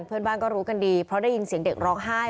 เพื่อนบ้านก็รู้กันดีเพราะได้ยินเสียงเด็กร้องไห้